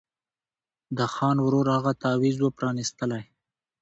د خان ورور هغه تعویذ وو پرانیستلی